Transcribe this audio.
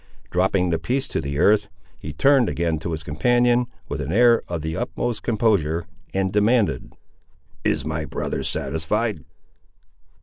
Dropping the piece to the earth, he turned again to his companion with an air of the utmost composure, and demanded— "Is my brother satisfied?"